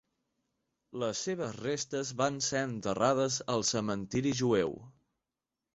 Les seves restes van ser enterrades al cementiri jueu.